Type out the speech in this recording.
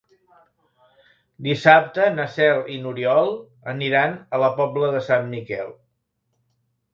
Dissabte na Cel i n'Oriol aniran a la Pobla de Sant Miquel.